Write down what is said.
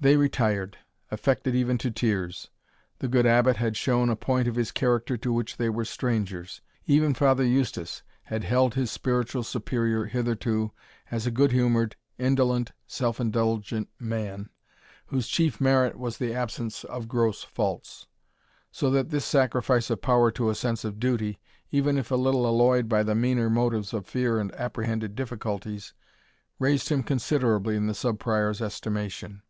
They retired, affected even to tears. The good Abbot had shown a point of his character to which they were strangers. Even Father Eustace had held his spiritual Superior hitherto as a good humoured, indolent, self indulgent man, whose chief merit was the absence of gross faults; so that this sacrifice of power to a sense of duty, even if a little alloyed by the meaner motives of fear and apprehended difficulties, raised him considerably in the Sub Prior's estimation.